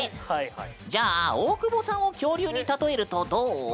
じゃあ大久保さんを恐竜に例えるとどう？